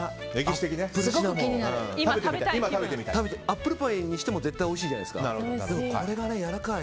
アップルパイにしても絶対おいしいじゃないですか。